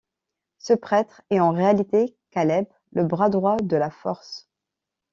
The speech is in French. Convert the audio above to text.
Ce prêtre est en réalité Caleb, le bras droit de la Force.